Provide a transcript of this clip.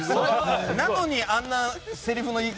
なのにあんなせりふの言い方。